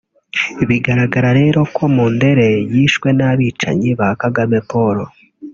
Bigaragara rero ko Mundere yishwe n’abicanyi ba Kagame Paul